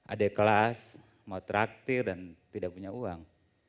ada kelas mau traktir dan tidak punya uang